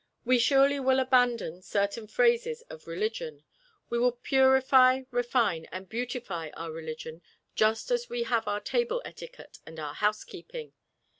We surely will abandon certain phases of religion. We will purify, refine and beautify our religion, just as we have our table etiquette and our housekeeping.